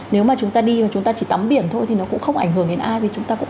nếu mà chúng ta đi mà chúng ta chỉ tắm biển thôi thì nó cũng không ảnh hưởng đến ai vì chúng ta cũng